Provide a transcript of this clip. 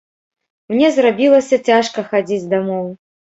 Мне зрабілася цяжка хадзіць дамоў.